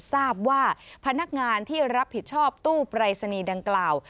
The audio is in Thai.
ทราบว่าพนักงานที่รับผิดชอบตู้ปรายศนีย์ดังกล่าว